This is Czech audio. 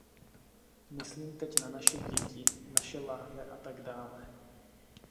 Myslím teď na naše děti, naše lahve a tak dále.